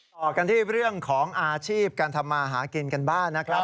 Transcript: ต่อกันที่เรื่องของอาชีพการทำมาหากินกันบ้างนะครับ